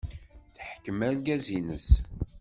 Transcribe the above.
Teḥkem argaz-nnes.